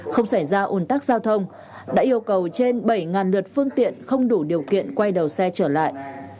không xảy ra ồn tắc giao thông đã yêu cầu trên bảy lượt phương tiện không đủ điều kiện quay đầu xe trở lại